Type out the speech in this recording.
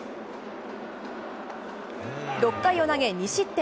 ６回を投げ、２失点。